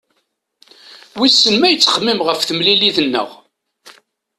Wissen ma yettxemmim ɣef temlilit-nneɣ?